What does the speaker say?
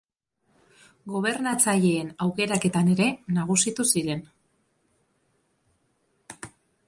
Gobernatzaileen aukeraketan ere nagusitu ziren.